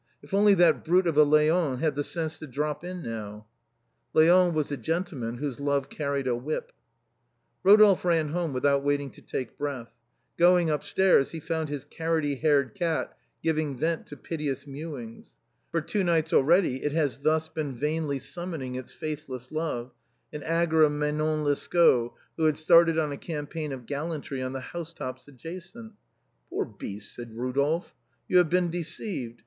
If only that brute of a Leon had the sense to drop in now !" Leon was the gentleman whose love carried a whip. Eodolphe ran home without waiting to take breath. Going upstairs he found his carroty haired cat giving vent MADEMOISELLE MIMI. 175 to piteous mewings. For two nights already it had thus been vainly summoning its faithless love, an angora Manon Lescaut, who had started on a campaign of gallantry on the house tops adjacent. " Poor beast," said Eodolphe, " you have been deceived.